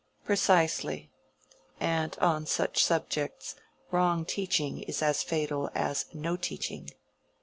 "Precisely. And on such subjects wrong teaching is as fatal as no teaching.